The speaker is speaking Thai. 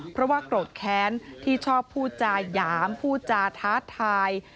เพราะว่าโกรธแค้นที่ชอบพูดจาหยามพูดจาท้าทาย